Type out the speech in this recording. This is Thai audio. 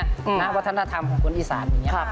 นะวัฒนธรรมของคนอีสานเนี่ย